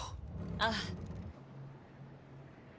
「ああ」